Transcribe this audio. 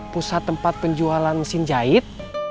pusat tempat penjualan mesin jahit